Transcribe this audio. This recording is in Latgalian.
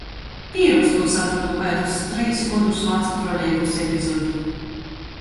Pīrokstūs atrodu kaidus treis godus vacu trolejbusa epizodi.